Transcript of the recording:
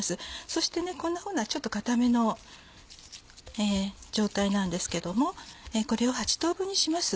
そしてちょっと硬めの状態なんですけどもこれを８等分にします。